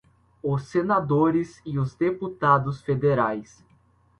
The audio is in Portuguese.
os senadores e os deputados federais